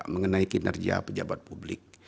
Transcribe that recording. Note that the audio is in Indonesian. mengenai kinerja pejabat publik